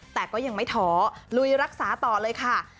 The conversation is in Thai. แต่ก็ยังไม่ท้อลุยรักษาต่อเลยค่ะ